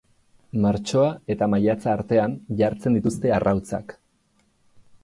Martxoa eta maiatza artean jartzen dituzte arrautzak.